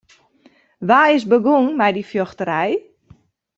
Wa is begûn mei dy fjochterij?